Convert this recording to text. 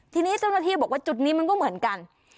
ทีนี้เจ้าหน้าที่บอกว่าจุดนี้มันก็เหมือนกัน